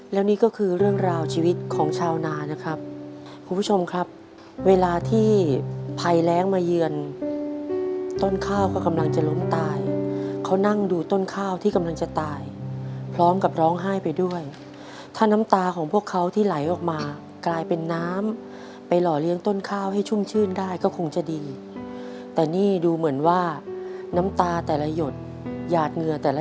แล้วนี่ก็คือเรื่องราวชีวิตของชาวนานะครับคุณผู้ชมครับเวลาที่ภัยแรงมาเยือนต้นข้าวก็กำลังจะล้มตายเขานั่งดูต้นข้าวที่กำลังจะตายพร้อมกับร้องไห้ไปด้วยถ้าน้ำตาของพวกเขาที่ไหลออกมากลายเป็นน้ำไปหล่อเลี้ยงต้นข้าวให้ชุ่มชื่นได้ก็คงจะดีแต่นี่ดูเหมือนว่าน้ำตาแต่ละหยดหยาดเหงื่อแต่ละ